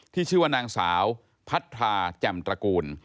ที่ชื่อว่านางสาวพัททาจ่ำตระกูล